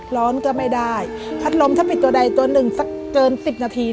ร้อนก็ไม่ได้พัดลมถ้าผิดตัวใดตัวหนึ่งสักเกิน๑๐นาที